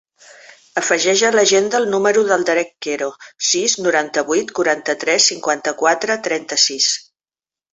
Afegeix a l'agenda el número del Darek Quero: sis, noranta-vuit, quaranta-tres, cinquanta-quatre, trenta-sis.